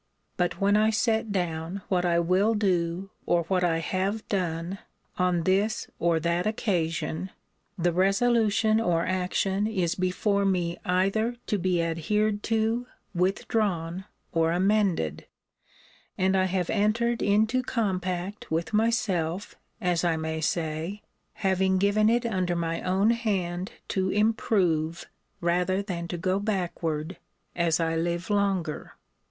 But when I set down what I will do, or what I have done, on this or that occasion; the resolution or action is before me either to be adhered to, withdrawn, or amended; and I have entered into compact with myself, as I may say; having given it under my own hand to improve, rather than to go backward, as I live longer.